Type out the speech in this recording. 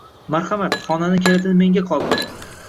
Marhamat, xonani kalitini menga qoldiring.